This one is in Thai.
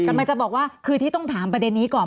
กำลังจะบอกว่าคือที่ต้องถามประเด็นนี้ก่อน